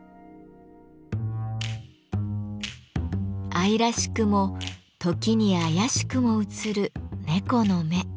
愛らしくも時に妖しくも映る猫の目。